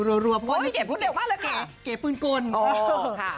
เพราะว่าพี่เก๋พูดเร็วมากเลยค่ะ